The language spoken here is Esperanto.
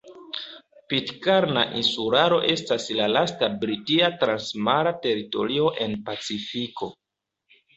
Pitkarna Insularo estas la lasta britia transmara teritorio en Pacifiko.